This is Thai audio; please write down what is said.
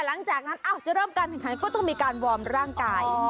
หลังจากนั้นจะเริ่มการแข่งขันก็ต้องมีการวอร์มร่างกาย